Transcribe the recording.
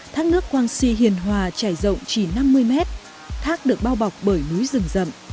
thác nước quang si hiền hòa chảy rộng chỉ năm mươi mét thác được bao bọc bởi núi rừng rậm